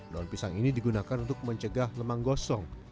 daun pisang ini digunakan untuk mencegah lemang gosong